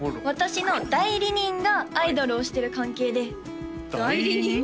私の代理人がアイドルをしてる関係で代理人？